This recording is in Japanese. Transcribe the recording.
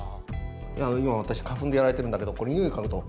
今私花粉でやられてるんだけどにおい嗅ぐと。